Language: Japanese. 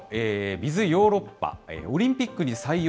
Ｂｉｚヨーロッパ、オリンピックに採用！